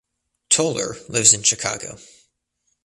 Toler lives in Chicago.